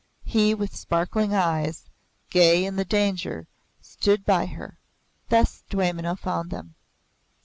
He, with sparkling eyes, gay in the danger, stood by her. Thus Dwaymenau found them.